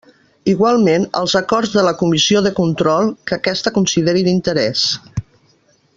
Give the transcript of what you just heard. Igualment, els acords de la Comissió de Control que aquesta considere d'interès.